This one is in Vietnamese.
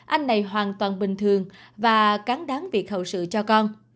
anh này hoàn toàn bình thường và cán đáng việc hậu sự cho con